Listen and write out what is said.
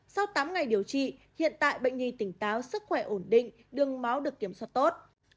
sau tám ngày điều trị hiện tại bệnh nhi tỉnh táo sức khỏe ổn định đường máu được kiểm soát tốt